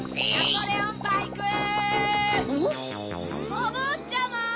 おぼっちゃま！